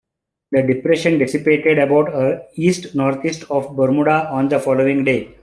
The depression dissipated about east-northeast of Bermuda on the following day.